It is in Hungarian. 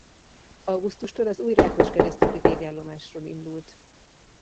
Augusztustól az új rákoskeresztúri végállomásról indult.